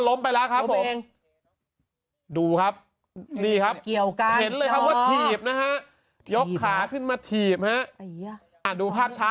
ล้มไปครับอ๋อผู้หญิงผู้ชายครับเขาก็ยืนเขาเขารอนะ